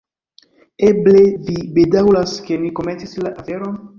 Eble vi bedaŭras, ke ni komencis la aferon?